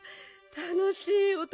たのしいおと？